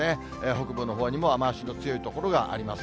北部のほうにも雨足の強い所があります。